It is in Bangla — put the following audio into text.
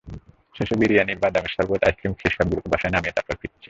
শেষে বিরিয়ানি, বাদামের শরবত, আইসক্রিম খেয়ে সবগুলাকে বাসায় নামিয়ে তারপর ফিরেছি।